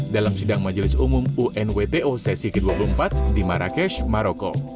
dalam sidang majelis umum unwto sesi ke dua puluh empat di marrakesh maroko